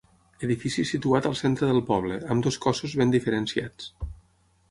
Edifici situat al centre del poble, amb dos cossos ben diferenciats.